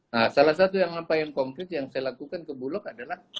nah salah satu yang konkret yang saya lakukan ke bulog adalah